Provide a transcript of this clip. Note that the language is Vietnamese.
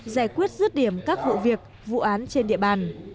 giải quyết rứt điểm các vụ việc vụ án trên địa bàn